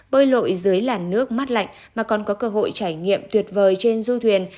đổi dưới làn nước mắt lạnh mà còn có cơ hội trải nghiệm tuyệt vời trên du thuyền